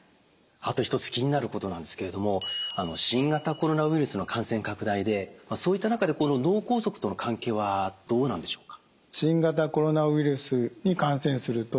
あと一つ気になることなんですけれども新型コロナウイルスの感染拡大でそういった中でこの脳梗塞との関係はどうなんでしょうか？